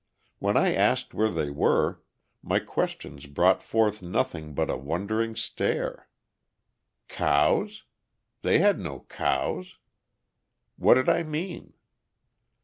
When I asked where they were, my questions brought forth nothing but a wondering stare. Cows? They had no cows. What did I mean?